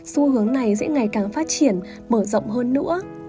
xu hướng này sẽ ngày càng phát triển mở rộng hơn nữa